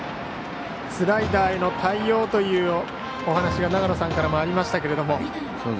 スライダーへの対応というお話が長野さんからもありましたが。